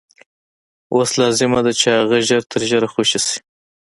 اوس لازمه ده چې هغه ژر تر ژره خوشي شي.